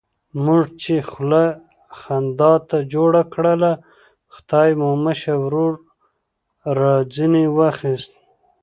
موږ چې خوله خندا ته جوړه کړله، خدای مو مشر ورور را ځنې واخیست.